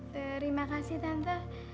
terima kasih tante